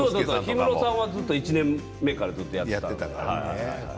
氷室さんは１年目からずっとやっていました。